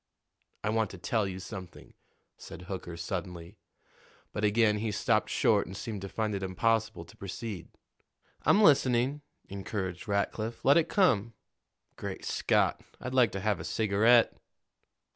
"I want to tell you something," said Hooker suddenly; but again he stopped short and seemed to find it impossible to proceed. "I'm listening," encouraged Rackliff. "Let it come. Great Scott! I'd like to have a cigarette."